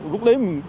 lúc đấy mình